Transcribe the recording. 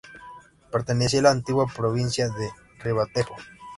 Pertenecía a la antigua provincia de Ribatejo.